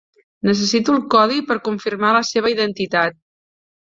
Necessito el codi per confirmar la seva identitat.